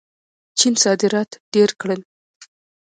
چین صادرات ډېر کړل.